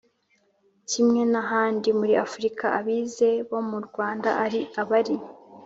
Kimwe n ahandi muri Afurika abize bo mu Rwanda ari abari